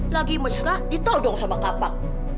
lagi mesra ditodong sama kapak